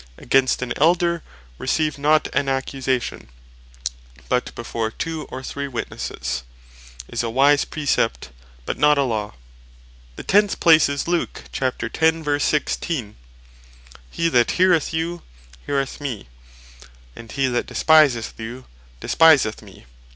"Against an Elder receive not an accusation, but before two or three Witnesses," is a wise Precept, but not a Law. The tenth place is, Luke 10.16. "He that heareth you, heareth mee; and he that despiseth you, despiseth me."